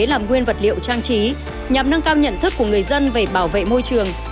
làm nguyên vật liệu trang trí nhằm nâng cao nhận thức của người dân về bảo vệ môi trường